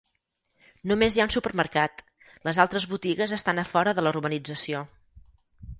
Només hi ha un supermercat: les altres botigues estan a fora de la urbanització.